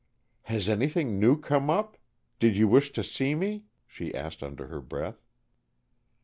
"Has anything new come up? Did you wish to see me?" she asked under her breath.